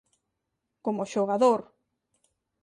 Como xogador